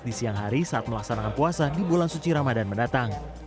di siang hari saat melaksanakan puasa di bulan suci ramadan mendatang